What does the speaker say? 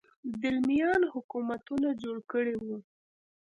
دیلمیان حکومتونه جوړ کړي وو